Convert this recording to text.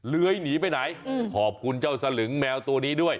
เลื้อยหนีไปไหนขอบคุณเจ้าสลึงแมวตัวนี้ด้วย